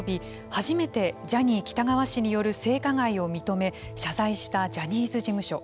初めてジャニー喜多川氏による性加害を認め謝罪したジャニーズ事務所。